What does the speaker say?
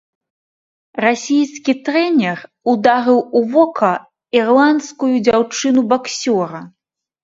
Расійскі трэнер ударыў у вока ірландскую дзяўчыну-баксёра.